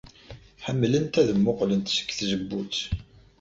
Ḥemmlent ad mmuqqlent seg tzewwut.